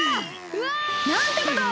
うわ！なんてことを！